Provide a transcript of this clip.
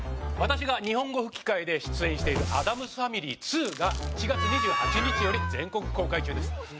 私が日本語吹き替えで出演している『アダムス・ファミリー２』が１月２８日より全国公開中です。